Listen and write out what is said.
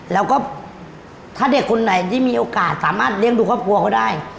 แล้วก็ถ้าเด็กคนไหนที่มีโอกาสสามารถเลี้ยงดูครอบครัวเขาได้